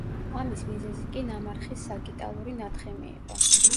ამის მიზეზი კი ნამარხის საგიტალური ნათხემი იყო.